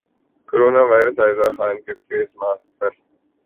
corona virus Ayeza Khan کا face mask کو fashion کا حصہ بنانے کا مشورہ